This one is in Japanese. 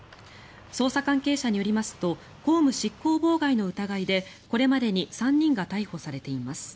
捜査関係者によりますと公務執行妨害の疑いでこれまでに３人が逮捕されています。